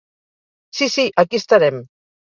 Sí, sí, aquí estarem!